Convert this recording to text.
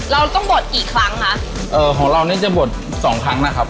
เราต้องบวชกี่ครั้งคะเอ่อของเรานี่จะบวชสองครั้งนะครับ